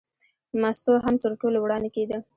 مستو هم تر ټولو وړاندې کېده.